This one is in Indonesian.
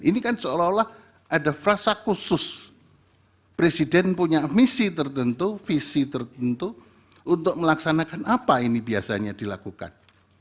ini kan seolah olah ada frasa khusus presiden punya misi tertentu visi tertentu untuk melaksanakan apa ini biasanya dilakukan